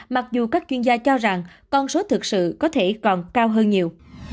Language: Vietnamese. mặc dù các chuyên gia cho rằng con số thực sự có thể còn cao hơn nhiều